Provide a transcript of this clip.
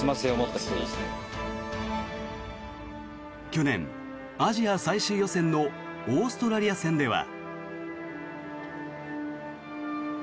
去年、アジア最終予選のオーストラリア戦では。